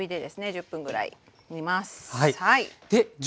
１０分ぐらい煮ます。